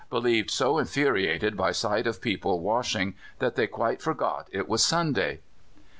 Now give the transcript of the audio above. Believed so infuriated by sight of people washing that they quite forgot it was Sunday."